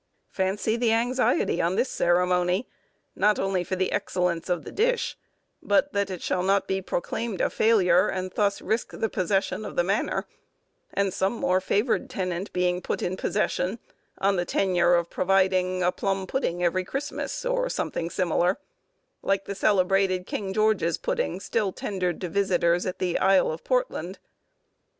Fancy the anxiety on this ceremony, not only for the excellence of the dish, but that it shall not be proclaimed a failure, and thus risk the possession of the manor, and some more favoured tenant being put in possession, on the tenure of providing a plum pudding every Christmas, or something similar, like the celebrated King George's pudding, still tendered to visitors at the Isle of Portland.